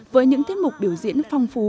với những tiết mục biểu diễn phong phú